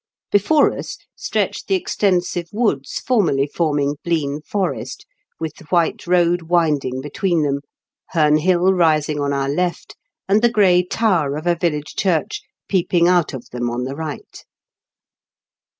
Before us stretched the extensive woods formerly forming Blean Forest, with the white road winding between them. Heme Hill rising on our left, and the gray tower of a village church peeping out of them on the right.